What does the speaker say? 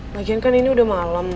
bagian kan ini udah malam